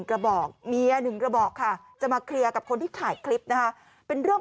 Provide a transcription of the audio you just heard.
กระบอกเมียหนึ่งกระบอกค่ะจะมาเคลียร์กับคนที่ถ่ายคลิปนะคะเป็นเรื่อง